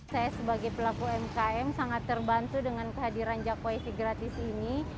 saya sebagai pelaku mkm sangat terbantu dengan kehadiran jak wifi gratis ini